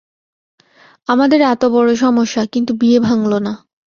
আমাদের এত বড় সমস্যা, কিন্তু বিয়ে ভাঙল না।